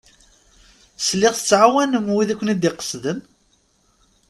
Sliɣ tettɛawanem wid i ken-id-iqesden?